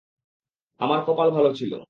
আমার কপাল ভালো ছিল।